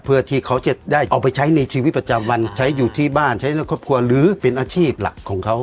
เพื่อที่เขาจะได้เอาไปใช้ในชีวิตประจำวันใช้อยู่ที่บ้านใช้เรื่องครอบครัวหรือเป็นอาชีพหลักของเขา